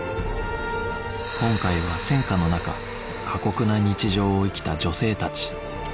今回は戦禍の中過酷な日常を生きた女性たち